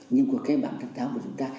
nhưng của cái mạng tháng tháng của chúng ta